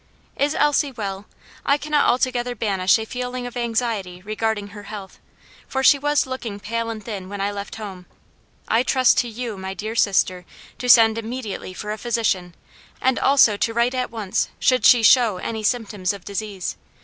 "Is Elsie well? I cannot altogether banish a feeling of anxiety regarding her health, for she was looking pale and thin when I left home. I trust to you, my dear sister, to send immediately for a physician, and also to write at once should she show any symptoms of disease.